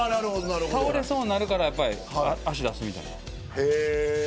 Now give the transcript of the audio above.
倒れそうになるから足を出すみたいな。